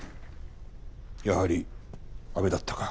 やはり阿部だったか。